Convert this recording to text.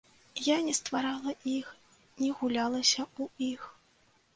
Я не стварала іх, не гулялася ў іх.